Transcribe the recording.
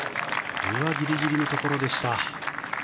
ギリギリのところでした。